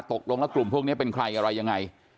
ตกลงแล้วกลุ่มพวกนี้เป็นใครอะไรยังไง